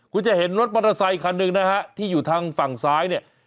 คุณจะเห็นรถมอเตอร์ไซคันหนึ่งนะฮะที่อยู่ทางฝั่งซ้ายเนี่ย